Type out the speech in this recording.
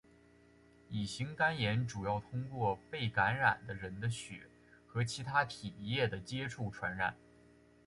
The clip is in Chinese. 乙型肝炎主要通过与被感染的人的血和其它体液的接触传染。